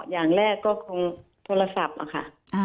อย่างแรกก็คงโทรศัพท์อะค่ะ